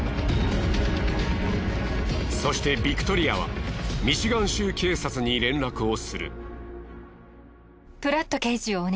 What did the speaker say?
そしてビクトリアはミシガン州警察に連絡をする。